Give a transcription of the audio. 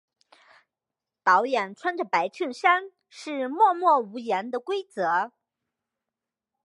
导演穿着白衬衫是默默无言的规则。